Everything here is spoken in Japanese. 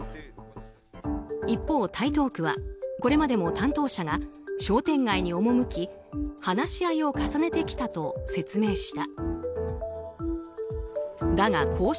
一方、台東区はこれまでも担当者が商店街に赴き話し合いを重ねてきたと説明した。